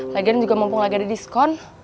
lagian juga mumpung lagian di diskon